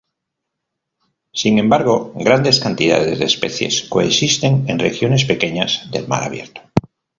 Sin embargo grandes cantidades de especies coexisten en regiones pequeñas del mar abierto.